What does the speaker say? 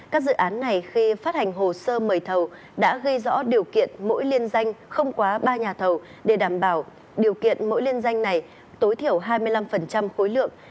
các dự án này khi phát hành hồ sơ mời thầu đã gây rõ điều kiện mỗi liên danh không quá ba nhà thầu để đảm bảo điều kiện mỗi liên danh này tối thiểu hai mươi năm khối lượng